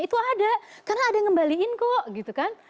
itu ada karena ada yang ngembalikan kok